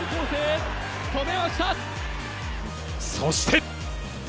そして。